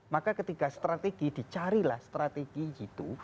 maka ketika strategi dicarilah strategi itu